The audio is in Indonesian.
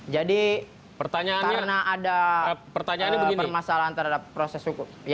jadi karena ada permasalahan terhadap proses hukum